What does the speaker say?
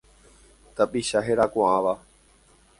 Tapicha herakuãva.